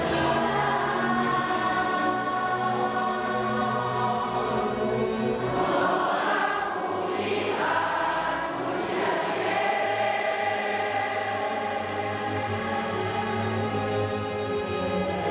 น่าจะคิดว่ากับจ้าลัยนึงดีกว่า